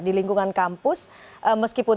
di lingkungan kampus meskipun